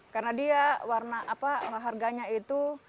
karena dia warna apa harganya itu